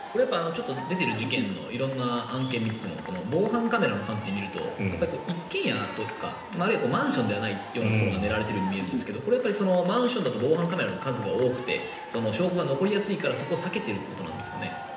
出ている事件の色んな案件を見ていると防犯カメラの観点で見ると一軒家とかマンションじゃないところが狙われているように見えるんですがマンションだと防犯カメラの数が多くて証拠が残りやすいからそこを避けているということなんですかね？